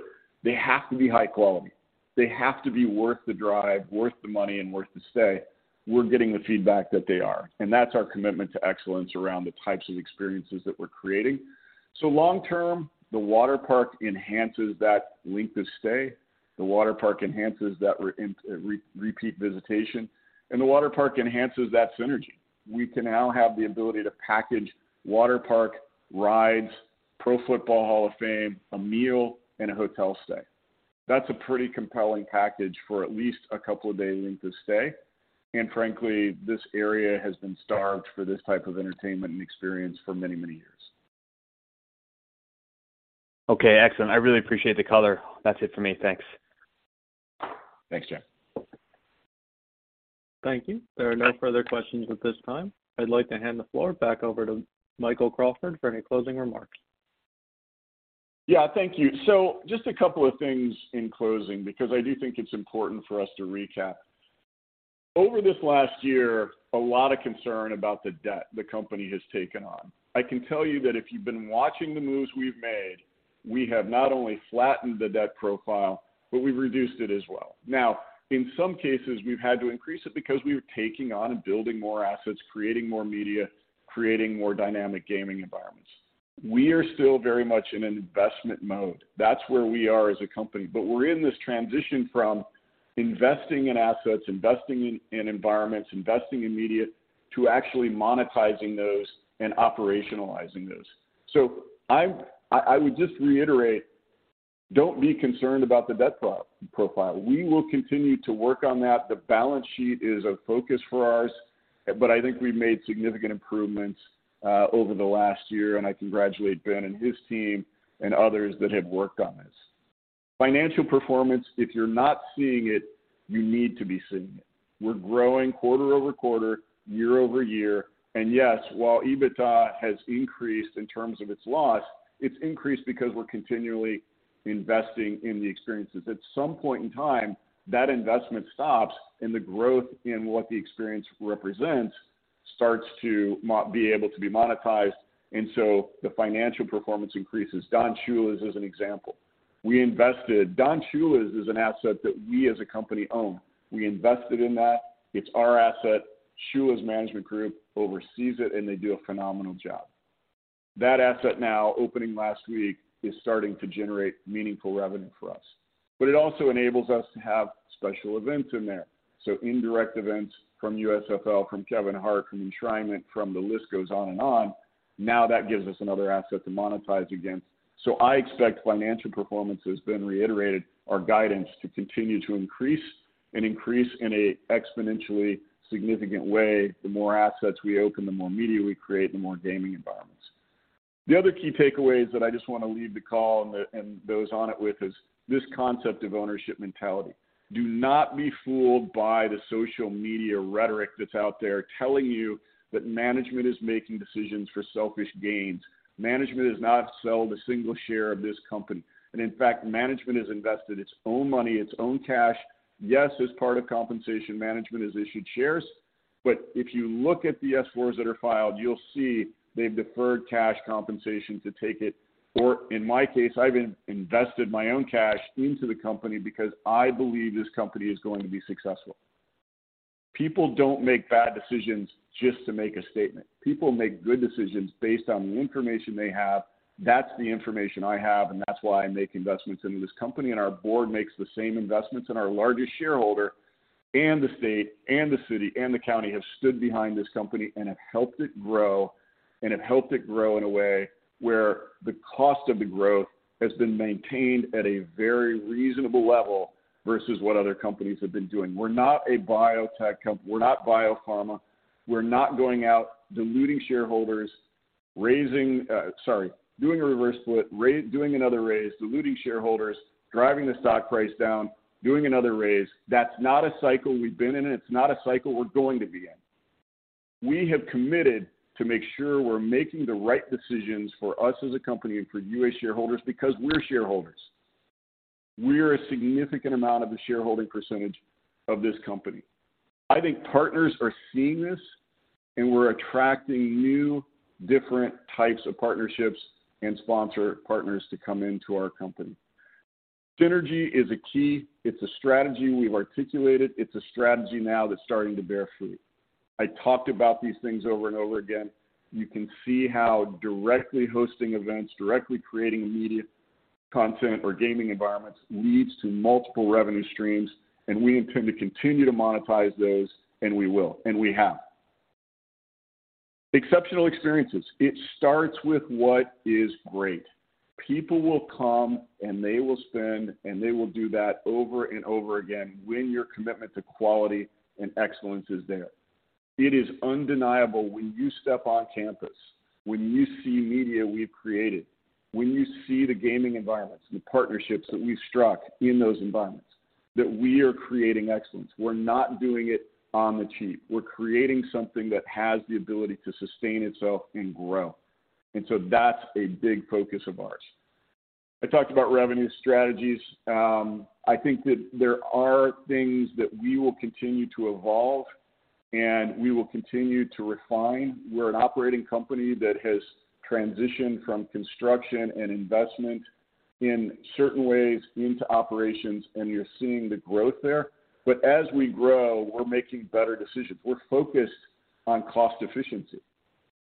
they have to be high quality. They have to be worth the drive, worth the money, and worth the stay. We're getting the feedback that they are, and that's our commitment to excellence around the types of experiences that we're creating. long term, the water park enhances that length of stay, the water park enhances that repeat visitation, and the water park enhances that synergy. We can now have the ability to package waterpark, rides, Pro Football Hall of Fame, a meal, and a hotel stay. That's a pretty compelling package for at least a couple of day length of stay. frankly, this area has been starved for this type of entertainment and experience for many years. Okay, excellent. I really appreciate the color. That's it for me. Thanks. Thanks, Jack. Thank you. There are no further questions at this time. I'd like to hand the floor back over to Michael Crawford for any closing remarks. Yeah, thank you. Just a couple of things in closing, because I do think it's important for us to recap. Over this last year, a lot of concern about the debt the company has taken on. I can tell you that if you've been watching the moves we've made, we have not only flattened the debt profile, but we've reduced it as well. In some cases, we've had to increase it because we were taking on and building more assets, creating more media, creating more dynamic gaming environments. We are still very much in an investment mode. That's where we are as a company. We're in this transition from investing in assets, investing in environments, investing in media to actually monetizing those and operationalizing those. I would just reiterate, don't be concerned about the debt profile. We will continue to work on that. The balance sheet is a focus for ours, but I think we've made significant improvements over the last year, and I congratulate Ben and his team and others that have worked on this. Financial performance, if you're not seeing it, you need to be seeing it. We're growing quarter-over-quarter, year-over-year. Yes, while EBITDA has increased in terms of its loss, it's increased because we're continually investing in the experiences. At some point in time, that investment stops and the growth in what the experience represents starts to be able to be monetized, and so the financial performance increases. Don Shula's is an example. We invested—Don Shula's is an asset that we as a company own. We invested in that. It's our asset. Shula's management group oversees it, and they do a phenomenal job. That asset now, opening last week, is starting to generate meaningful revenue for us. It also enables us to have special events in there. Indirect events from USFL, from Kevin Hart, from Enshrinement, from the list goes on and on. That gives us another asset to monetize against. I expect financial performance has been reiterated our guidance to continue to increase and increase in a exponentially significant way the more assets we open, the more media we create, the more gaming environments. The other key takeaways that I just wanna leave the call and those on it with is this concept of ownership mentality. Do not be fooled by the social media rhetoric that's out there telling you that management is making decisions for selfish gains. Management has not sold a single share of this company. In fact, management has invested its own money, its own cash. Yes, as part of compensation, management has issued shares, but if you look at the S-4s that are filed, you'll see they've deferred cash compensation to take it, or in my case, I've invested my own cash into the company because I believe this company is going to be successful. People don't make bad decisions just to make a statement. People make good decisions based on the information they have. That's the information I have, and that's why I make investments into this company, and our board makes the same investments, and our largest shareholder and the state and the city and the county have stood behind this company and have helped it grow, and have helped it grow in a way where the cost of the growth has been maintained at a very reasonable level versus what other companies have been doing. We're not biopharma. We're not going out diluting shareholders, sorry, doing a reverse split, doing another raise, diluting shareholders, driving the stock price down, doing another raise. That's not a cycle we've been in, it's not a cycle we're going to be in. We have committed to make sure we're making the right decisions for us as a company and for you as shareholders because we're shareholders. We're a significant amount of the shareholding percentage of this company. I think partners are seeing this, and we're attracting new different types of partnerships and sponsor partners to come into our company. Synergy is a key. It's a strategy we've articulated. It's a strategy now that's starting to bear fruit. I talked about these things over and over again. You can see how directly hosting events, directly creating media content or gaming environments leads to multiple revenue streams, and we intend to continue to monetize those, and we will, and we have. Exceptional experiences. It starts with what is great. People will come, and they will spend, and they will do that over and over again when your commitment to quality and excellence is there. It is undeniable when you step on campus, when you see media we've created, when you see the gaming environments, the partnerships that we've struck in those environments, that we are creating excellence. We're not doing it on the cheap. We're creating something that has the ability to sustain itself and grow. That's a big focus of ours. I talked about revenue strategies. I think that there are things that we will continue to evolve and we will continue to refine. We're an operating company that has transitioned from construction and investment in certain ways into operations, and you're seeing the growth there. As we grow, we're making better decisions. We're focused on cost efficiency.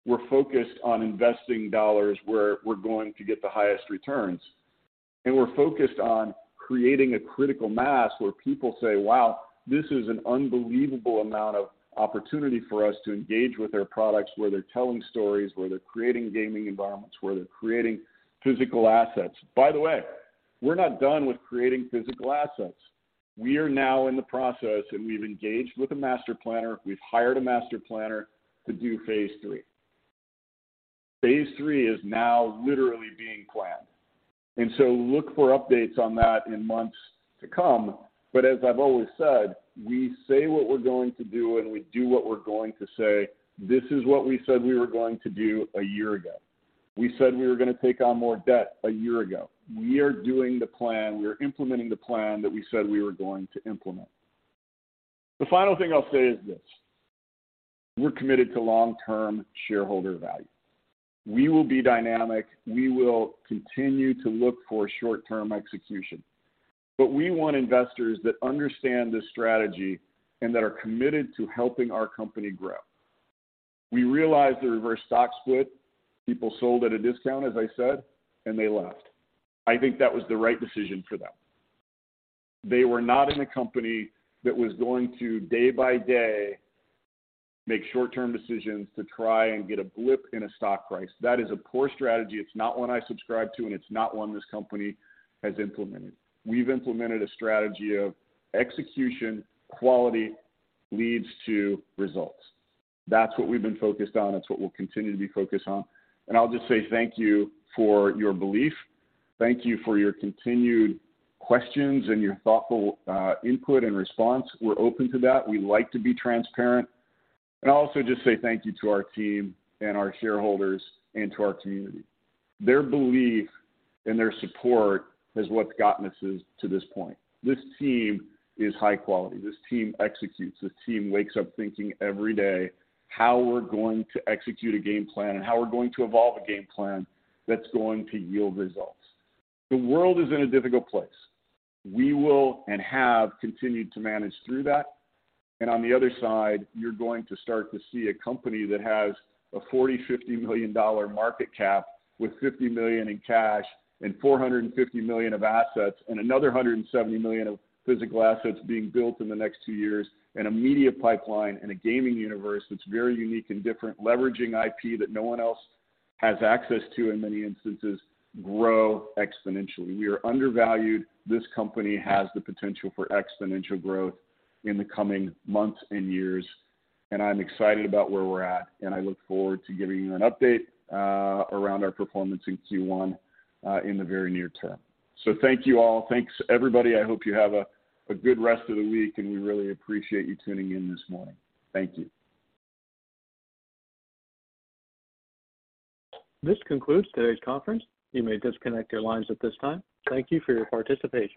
We're focused on investing dollars where we're going to get the highest returns. We're focused on creating a critical mass where people say, "Wow, this is an unbelievable amount of opportunity for us to engage with their products, where they're telling stories, where they're creating gaming environments, where they're creating physical assets." By the way, we're not done with creating physical assets. We are now in the process and we've engaged with a master planner, we've hired a master planner to do phase three. Phase three is now literally being planned. So look for updates on that in months to come. As I've always said, we say what we're going to do, and we do what we're going to say. This is what we said we were going to do a year ago. We said we were gonna take on more debt a year ago. We are doing the plan, we are implementing the plan that we said we were going to implement. The final thing I'll say is this: We're committed to long-term shareholder value. We will be dynamic, we will continue to look for short-term execution. We want investors that understand this strategy and that are committed to helping our company grow. We realize the reverse stock split. People sold at a discount, as I said, and they left. I think that was the right decision for them. They were not in a company that was going to day by day make short-term decisions to try and get a blip in a stock price. That is a poor strategy. It's not one I subscribe to, and it's not one this company has implemented. We've implemented a strategy of execution, quality leads to results. That's what we've been focused on. That's what we'll continue to be focused on. I'll just say thank you for your belief. Thank you for your continued questions and your thoughtful input and response. We're open to that. We like to be transparent. Also just say thank you to our team and our shareholders and to our community. Their belief and their support is what's gotten us to this point. This team is high quality. This team executes. This team wakes up thinking every day how we're going to execute a game plan and how we're going to evolve a game plan that's going to yield results. The world is in a difficult place. We will and have continued to manage through that. On the other side, you're going to start to see a company that has a $40 million to $50 million market cap with $50 million in cash and $450 million of assets and another $170 million of physical assets being built in the next two years in a media pipeline in a gaming universe that's very unique and different, leveraging IP that no one else has access to, in many instances, grow exponentially. We are undervalued. This company has the potential for exponential growth in the coming months and years, and I'm excited about where we're at, and I look forward to giving you an update, around our performance in Q1, in the very near term. Thank you all. Thanks, everybody. I hope you have a good rest of the week, and we really appreciate you tuning in this morning. Thank you. This concludes today's conference. You may disconnect your lines at this time. Thank you for your participation.